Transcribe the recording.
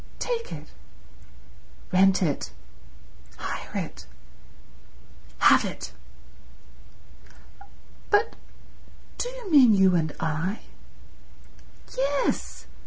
"Take it?" "Rent it. Hire it. Have it." "But—do you mean you and I?" "Yes.